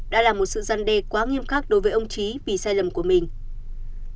đã là một sự gian đề quá nghiêm khắc đối với ông trí vì sai lầm của mình